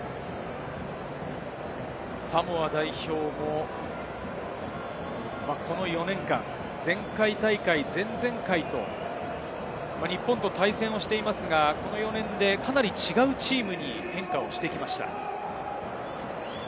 サモア代表もこの４年間、前回大会、前々回と日本と対戦していますが、この４年で違うチームに変化してきました。